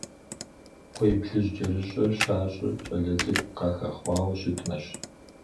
КхъуейплъыжькӀэрыщӀэр щащӀыр щӀалэ цӀыкӀу къахэхъуауэ щытмэщ.